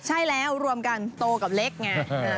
ใช่แล้วรวมกันโตกับเล็กไง